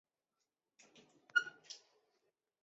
莲录制的多张专辑得到好评。